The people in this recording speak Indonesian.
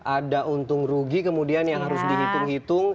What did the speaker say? ada untung rugi kemudian yang harus dihitung hitung